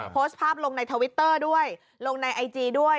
โพสต์ภาพลงในทวิตเตอร์ด้วยลงในไอจีด้วย